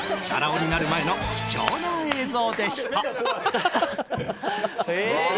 男になる前の貴重な映像でした。